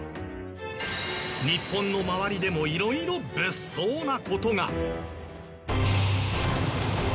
日本の周りでもいろいろ物騒なことが。